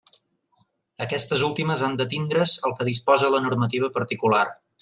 Aquestes últimes han d'atindre's al que disposa la normativa particular.